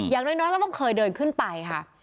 อย่างน้อยก็ต้องเคยเดินขึ้นไปค่ะ